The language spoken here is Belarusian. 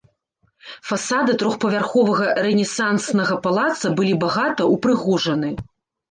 Фасады трохпавярховага рэнесанснага палаца былі багаты ўпрыгожаны.